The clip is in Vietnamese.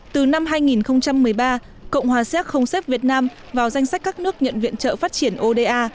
từ năm hai nghìn một mươi ba cộng hòa xéc không xếp việt nam vào danh sách các nước nhận viện trợ phát triển oda